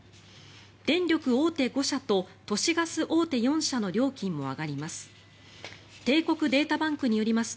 電力大手５社と都市ガス大手４社の料金も上がります。